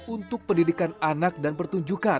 untuk pendidikan anak dan pertunjukan